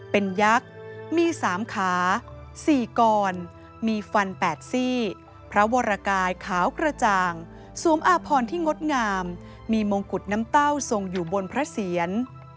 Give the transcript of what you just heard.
เป็นยักษ์มี๓ขา๔กรมีฟัน๘ซี่พระวรกายขาวกระจ่างสวมอาพรที่งดงามมีมงกุฎน้ำเต้าทรงอยู่บนพระเสียร